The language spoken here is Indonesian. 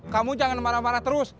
kamu jangan marah marah terus